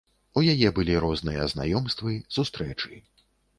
У яе былі розныя знаёмствы, сустрэчы.